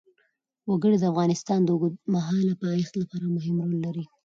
وګړي د افغانستان د اوږدمهاله پایښت لپاره مهم رول لري.